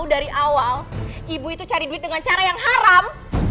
dari awal ibu itu cari duit dengan cara yang haram